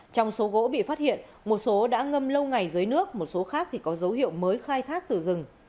trong số gỗ bị phát hiện một số đã ngâm lâu ngày dưới nước một số khác thì có dấu hiệu mới khai thác từ rừng